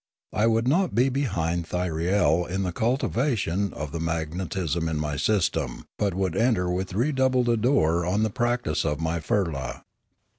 I would not be behind Thyriei in the cultivation of the magnet ism in my system, but would enter with redoubled ardour on the practice of my fir la.